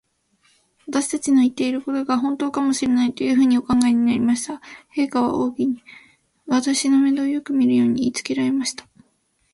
私たちの言ってることが、ほんとかもしれない、というふうにお考えになりました。陛下は王妃に、私の面倒をよくみるように言いつけられました。